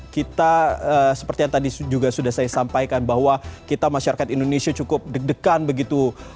kita seperti yang tadi juga sudah saya sampaikan bahwa kita masyarakat indonesia cukup deg degan begitu